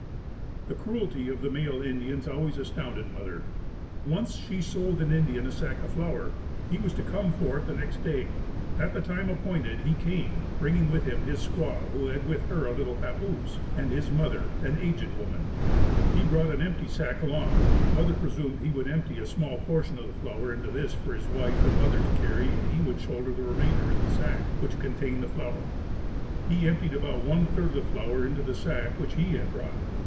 The cruelty of the male Indians always astounded mother. Once she sold an Indian a sack of flour. He was to come for it the next day. At the time appointed he came, bringing with him his squaw who had with her a little papoose, and his mother, an aged woman. He brought an empty sack along. Mother presumed he would empty a small portion of the flour into this for his wife and mother to carry and he would shoulder the remainder in the sack which contained the flour. He emptied about one third of the flour into the sack which he had brought.